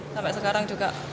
sampai sekarang juga